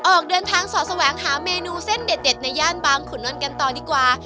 ออกเดินทางสอดแสวงหาเมนูเส้นเด็ดในย่านบางขุนนท์กันต่อดีกว่า